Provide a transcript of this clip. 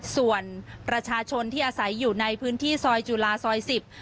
ส่วนประชาชนที่อาศัยอยู่ในพื้นที่ซอยจุฬาซอยสิบ